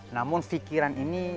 namun pikiran ini